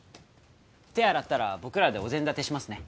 手洗ったら僕らでお膳立てしますね